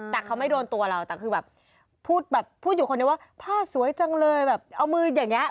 แต่เขาไม่โดนตัวเราแต่คือแบบพูดแบบพูดอยู่คนเดียวว่าผ้าสวยจังเลยแบบเอามืออย่างนี้